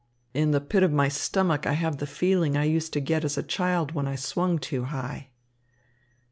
"In the pit of my stomach I have the feeling I used to get as a child when I swung too high."